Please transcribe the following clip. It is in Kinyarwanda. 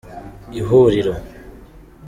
ihuriro